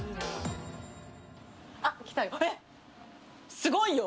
すごいよ。